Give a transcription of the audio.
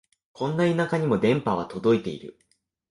こんな田舎にも電波は届いてる